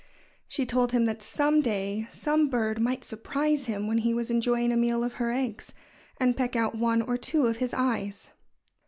She told him that some day some bird might surprise him when he was enjoying a meal of her eggs, and peck out one or two of his eyes.